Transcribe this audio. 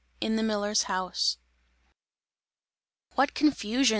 IN THE MILLER'S HOUSE. "What confusion!"